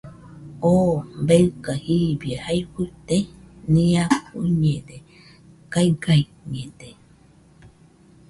¿Oo beika jibie jae fuite?nia fuiñede, kaigañede.